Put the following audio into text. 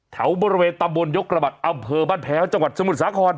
แถวบริเวณตำบลยกระบัดอำเภอบ้านแพ้วจังหวัดสมุทรสาคร